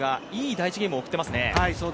第１ゲームを送っていますね。